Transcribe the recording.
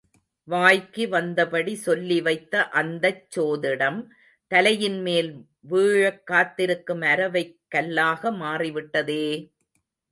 வாய்க்கு வந்தபடி சொல்லி வைத்த அந்தச் சோதிடம் தலையின் மேல் வீழக் காத்திருக்கும் அரவைக் கல்லாக மாறி விட்டதே!